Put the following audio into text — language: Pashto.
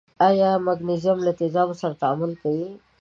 آیا مګنیزیم له تیزابو سره تعامل کوي؟